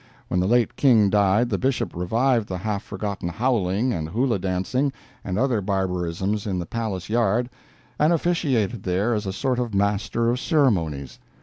When the late king died the Bishop revived the half forgotten howling and hula dancing and other barbarisms in the palace yard, and officiated there as a sort of master of ceremonies.